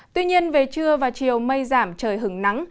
tuy nhiên về trưa và chiều mây giảm trời hứng nắng